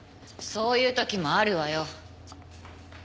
そういう時もあるわよ。